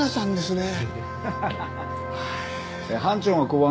ねえ。